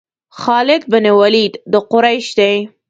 خالد بن ولید د قریش دی.